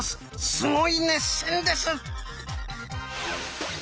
すごい熱戦です！